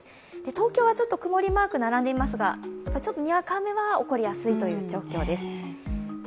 東京はちょっと曇りマーク並んでいますが、にわか雨は起こりやすいという状況です。